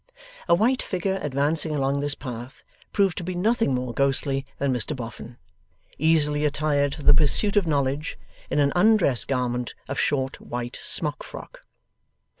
A white figure advancing along this path, proved to be nothing more ghostly than Mr Boffin, easily attired for the pursuit of knowledge, in an undress garment of short white smock frock.